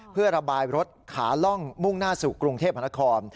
เพื่อระบายรถขาล่องมุ่งหน้าสู่กรุงเทพนคร